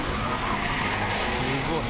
すごい！